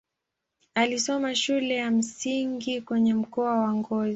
Alisoma shule ya msingi kwenye mkoa wa Ngozi.